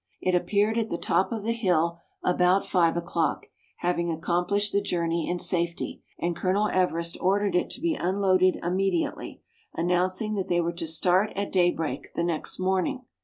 It appeared at the top of the hill about five o'clock, having accomplished the journey in safety, and Colonel Everest ordered it to be unloaded immediately, announcing that they were to start at day break the next morning.